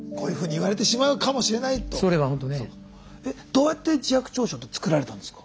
どうやって自白調書って作られたんですか？